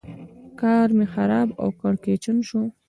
کار مې خراب او کړکېچن شو.